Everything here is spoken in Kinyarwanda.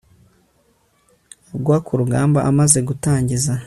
agwa ku rugamba amaze gutangiza